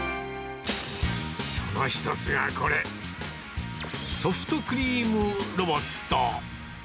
その一つがこれ、ソフトクリームロボット。